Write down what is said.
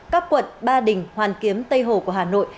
các quận ba đình hoàn kiếm tây hồ của hà nội